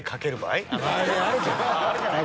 あれじゃない。